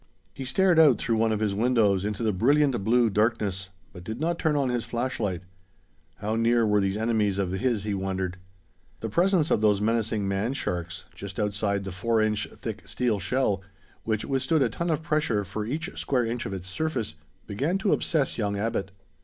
He stared out through one of his windows into the brilliant blue darkness, but did not turn on his flashlight. How near were these enemies of his, he wondered? The presence of those menacing man sharks, just outside the four inch thick steel shell, which withstood a ton of pressure for each square inch of its surface, began to obsess young Abbot.